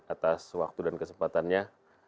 atas waktu dan kesempatannya